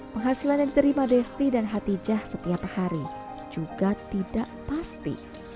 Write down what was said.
penghasilan yang diterima desti dan hatijah setiap hari juga tidak pasti